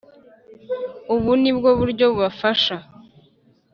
ubu nibwo buryo bubafasha